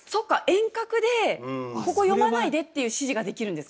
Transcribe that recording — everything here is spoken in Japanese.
遠隔でここ読まないでっていう指示ができるんですか？